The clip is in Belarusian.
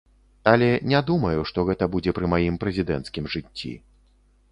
Але не думаю, што гэта будзе пры маім прэзідэнцкім жыцці.